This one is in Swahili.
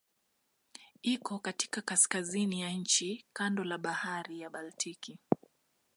Iko katika kaskazini ya nchi kando la Bahari ya Baltiki.